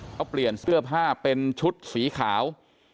เขาเปลี่ยนเสื้อผ้าเป็นชุดสีขาว